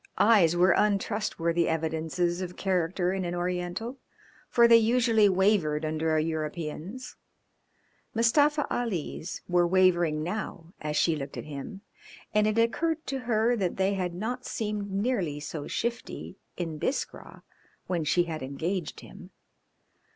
Eyes were untrustworthy evidences of character in an Oriental, for they usually wavered under a European's. Mustafa Ali's were wavering now as she looked at him, and it occurred to her that they had not seemed nearly so shifty in Biskra when she had engaged him.